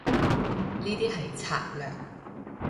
呢啲係策略